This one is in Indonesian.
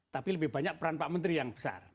tapi lebih banyak peran pt pn pn yang besar